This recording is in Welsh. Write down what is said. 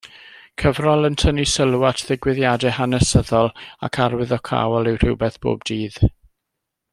Cyfrol yn tynnu sylw at ddigwyddiadau hanesyddol ac arwyddocaol yw Rhywbeth Bob Dydd.